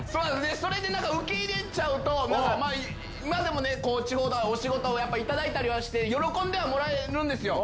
それで受け入れちゃうと、今でもね、地方からお仕事やっぱ頂いたりはして、喜んではもらえるんですよ。